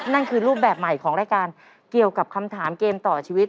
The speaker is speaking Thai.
นั่นคือรูปแบบใหม่ของรายการเกี่ยวกับคำถามเกมต่อชีวิต